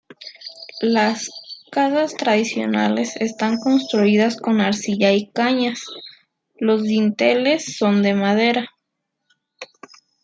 Las casas tradicionales están construidas con arcilla y cañas, los dinteles son de madera.